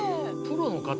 プロの方？